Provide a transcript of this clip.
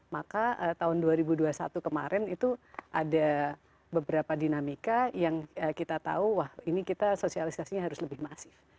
maka tahun dua ribu dua puluh satu kemarin itu ada beberapa dinamika yang kita tahu wah ini kita sosialisasinya harus lebih masif